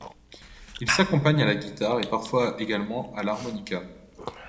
Il s'accompagne à la guitare et parfois également à l'harmonica.